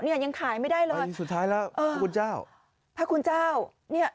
เนี่ยยังขายไม่ได้เลย